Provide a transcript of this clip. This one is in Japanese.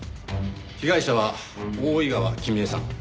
被害者は大井川君枝さん。